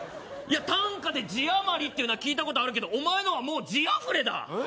いや短歌で字余りっていうのは聞いたことあるけどお前のはもう字あふれだ！